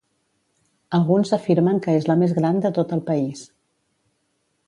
Alguns afirmen que és la més gran de tot el país.